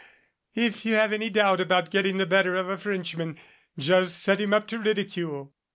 If you have any doubt about getting the better of a Frenchman just set him up to ridicule."